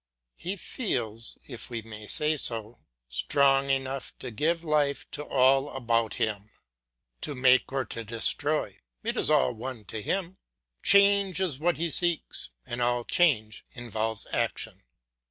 He feels, if we may say so, strong enough to give life to all about him. To make or to destroy, it is all one to him; change is what he seeks, and all change involves action.